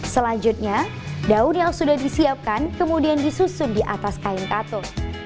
selanjutnya daun yang sudah disiapkan kemudian disusun di atas kain katung